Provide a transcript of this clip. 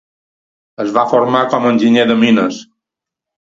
Es va formar com a enginyer de mines.